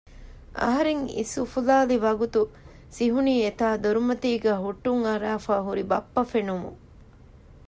އަހަރެން އިސް އުފުލާލިވަގުތު ސިހުނީ އެތާ ދޮރުމަތީގައި ހުއްޓުން އަރާފައި ހުރި ބައްޕަ ފެނުމުން